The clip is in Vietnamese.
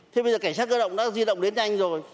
thế bây giờ cảnh sát cơ động đã di động đến nhanh rồi